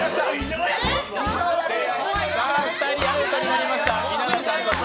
２人アウトになりました。